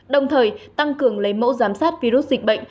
đồng thời tăng cường lấy mẫu giám sát virus dịch bệnh